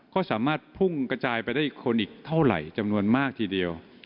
ก็สามารถพุ่งกระจายไปได้คนอีกเท่าไหร่จำนวนมากทีเดียว